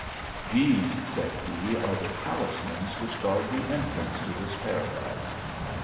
"These," said he, "are the talismans which guard the entrance to this paradise.